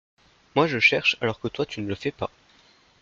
Moi, je cherche alors que toi tu ne le fais pas.